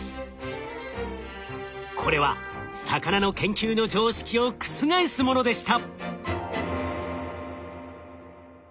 これは魚の研究の常識を覆すものでした。